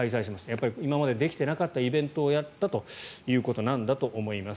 やっぱり今までできていなかったイベントをやったということなんだと思います。